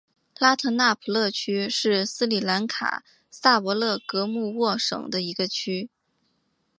拉特纳普勒区是斯里兰卡萨伯勒格穆沃省的一个区。